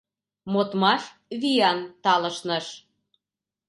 Модмаш виян талышныш.